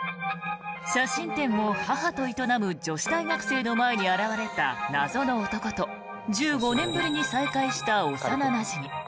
写真店を母と営む女子大学生の前に現れた謎の男と１５年ぶりに再会した幼なじみ。